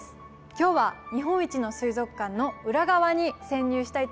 今日は日本一の水族館の裏側に潜入したいと思います。